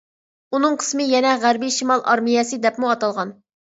ئۇنىڭ قىسمى يەنە غەربىي شىمال ئارمىيەسى دەپمۇ ئاتالغان.